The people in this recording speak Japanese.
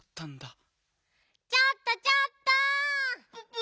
ちょっとちょっと！ププ！